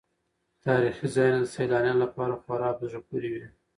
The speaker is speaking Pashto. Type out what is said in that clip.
تاریخي ځایونه د سیلانیانو لپاره خورا په زړه پورې وي.